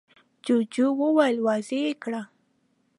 جوجو وويل: واضح يې کړه!